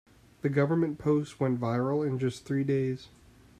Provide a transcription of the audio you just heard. The government's post went viral in just three days.